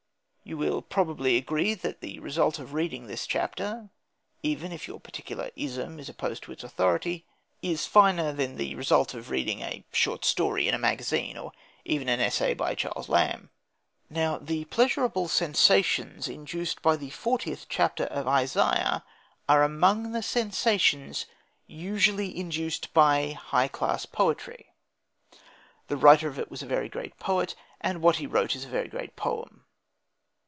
You will probably agree that the result of reading this chapter (even if your particular ism is opposed to its authority) is finer than the result of reading a short story in a magazine or even an essay by Charles Lamb. Now the pleasurable sensations induced by the fortieth chapter of Isaiah are among the sensations usually induced by high class poetry. The writer of it was a very great poet, and what he wrote is a very great poem.